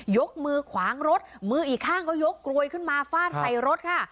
ยกมือขวางรถมืออีกข้างก็ยกกลวยขึ้นมาฟาดใส่รถค่ะ